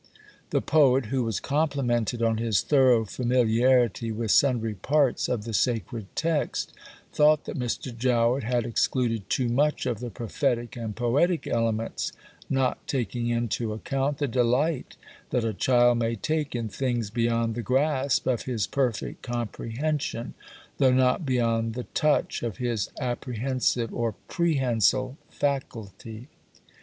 The poet, who was complimented on his thorough familiarity with sundry parts of the sacred text, thought that Mr. Jowett had excluded too much of the prophetic and poetic elements, not taking into account "the delight that a child may take in things beyond the grasp of his perfect comprehension, though not beyond the touch of his apprehensive or prehensile faculty."